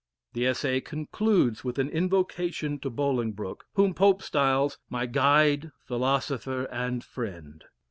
The Essay concludes with an invocation to Bolingbroke whom Pope styles, "my guide, philosopher, and friend."